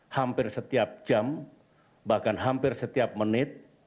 hampir setiap jam bahkan hampir setiap menit